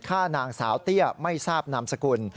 ฆ่านางสาวเตี้ยไม่ทราบนามสกุล